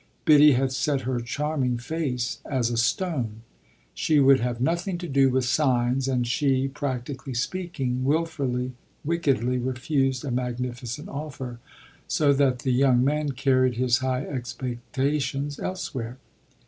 Biddy had set her charming face as a stone; she would have nothing to do with signs, and she, practically speaking, wilfully, wickedly refused a magnificent offer, so that the young man carried his high expectations elsewhere.